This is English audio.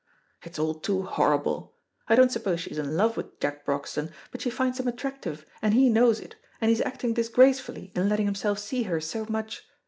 It is all too horrible. I don't suppose she is in love with Jack Broxton, but she finds him attractive, and he knows it, and he is acting disgracefully in letting himself see her so much.